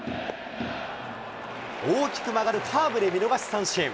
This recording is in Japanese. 大きく曲がるカーブで見逃し三振。